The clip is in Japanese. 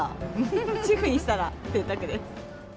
主婦にしたらぜいたくです。